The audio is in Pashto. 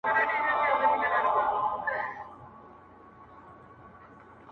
یو ګیدړ کښته له مځکي ورکتله!.